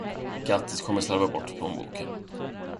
Kattis kommer slarva bort plånboken.